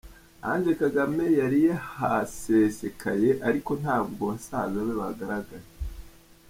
Ange Kagame yari yahasesekaye ariko ntabwo basaza be bagaragaye!